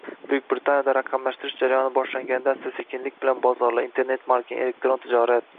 Buyuk Britaniyada raqamlashtirish jarayoni boshlanganida, sekin-astalik bilan bozorlar, Internet-marketing, elektron tijorat…